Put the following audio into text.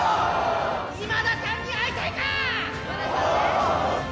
今田さんに会いたいか⁉オ！